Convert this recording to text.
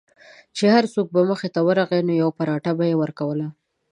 چې هر څوک به مخې ته ورغی نو یوه پراټه به یې ورکوله.